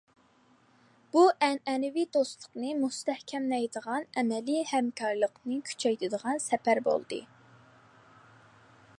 بۇ ئەنئەنىۋى دوستلۇقنى مۇستەھكەملەيدىغان، ئەمەلىي ھەمكارلىقنى كۈچەيتىدىغان سەپەر بولدى.